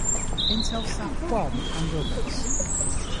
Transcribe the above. Intelsat I and others.